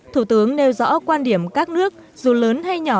thủ tướng nêu rõ quan điểm các nước dù lớn hay nhỏ